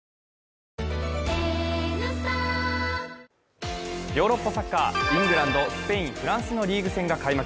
いいじゃないだってヨーロッパサッカー、イングランド、スペイン、フランスのリーグ戦が開幕。